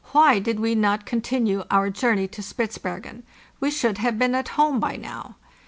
Why did we not continue our journey to Spitzbergen? We should have been at home by now.